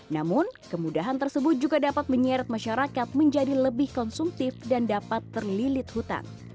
namun kemudahan tersebut juga dapat menyeret masyarakat menjadi lebih konsumtif dan dapat terlilit hutan